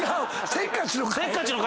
せっかちの回。